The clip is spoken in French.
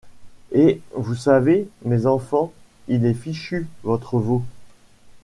Et, vous savez, mes enfants, il est fichu, votre veau.